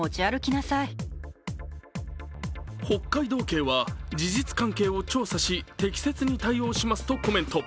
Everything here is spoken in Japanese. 警は、事実関係を調査し適切に対応しますとコメント。